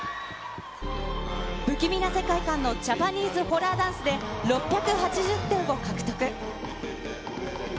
不気味な世界観のジャパニーズホラーダンスで、６８０点を獲得。